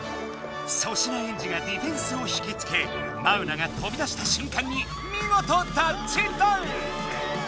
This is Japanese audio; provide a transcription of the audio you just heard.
粗品エンジがディフェンスを引きつけマウナが飛び出した瞬間にみごとタッチダウン！